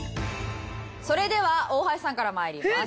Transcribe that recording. それでは大橋さんから参ります。